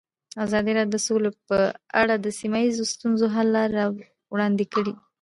ازادي راډیو د سوله په اړه د سیمه ییزو ستونزو حل لارې راوړاندې کړې.